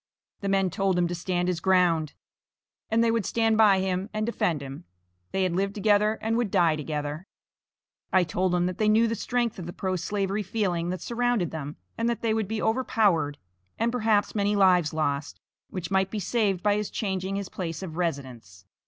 The men told him to stand his ground, and they would stand by him and defend him, they had lived together, and would die together. I told them that they knew the strength of the pro slavery feeling that surrounded them, and that they would be overpowered, and perhaps many lives lost, which might be saved by his changing his place of residence.